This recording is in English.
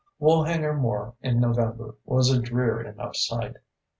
Woolhanger Moor in November was a drear enough sight.